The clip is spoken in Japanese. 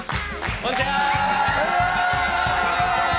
こんにちは！